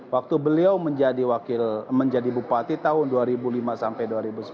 waktu beliau menjadi bupati tahun dua ribu lima sampai dua ribu sepuluh